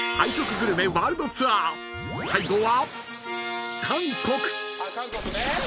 ［最後は］